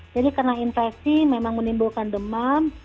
jadi karena infeksi memang menimbulkan demam